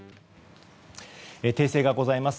訂正がございます。